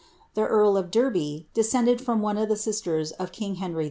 The earl of Derby, desceixled froiB uat of the sisters of ing Henr; VIIE.